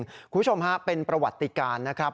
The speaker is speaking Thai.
คุณผู้ชมฮะเป็นประวัติการนะครับ